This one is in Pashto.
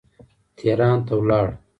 تهران ته ولاړ.